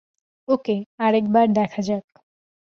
ওকে, আরেকবার দেখা যাক।